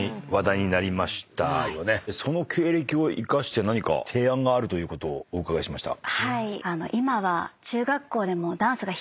その経歴を生かして何か提案があるということをお伺いしました。